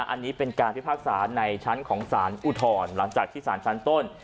อันนี้เป็นการพิพากษาในชั้นของสารอุทธรณ์หลังจากที่สารชั้นต้น